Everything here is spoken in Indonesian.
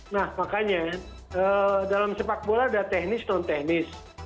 nah makanya dalam sepak bola ada teknis non teknis